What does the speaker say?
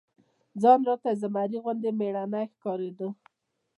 ځان راته د زمري غوندي مېړنى ښکارېده.